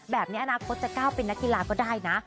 แบบนี้อนาคตจะก้าวเป็นนักกีฬาก็ได้นะ